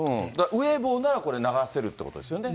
ウェイボーなら、これ、流せるということですよね。